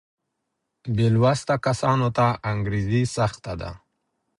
بې لوسته کسانو ته انګرېزي سخته ده.